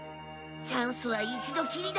チャンスは一度きりだ！